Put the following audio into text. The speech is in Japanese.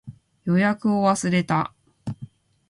予約を忘れた